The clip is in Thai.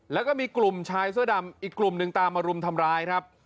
แล้วก็มีกลุ่มชายเสื้อดำอีกกลุ่มหนึ่งตามมารุมทำร้ายครับ